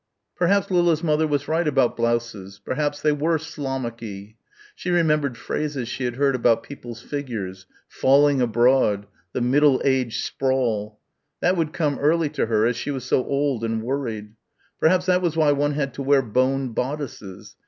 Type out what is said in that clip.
Perhaps Lilla's mother was right about blouses ... perhaps they were "slommucky." She remembered phrases she had heard about people's figures ... "falling abroad" ... "the middle aged sprawl" ... that would come early to her as she was so old and worried ... perhaps that was why one had to wear boned bodices